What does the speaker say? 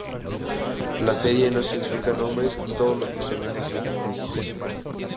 La serie no especifica nombres y todos los personajes son ficticios.